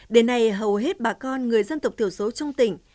đến nay hầu hết bà con người dân tộc thiểu số trong tỉnh